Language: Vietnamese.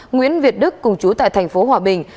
nguyễn việt đức cùng chú tại thành phố hòa bình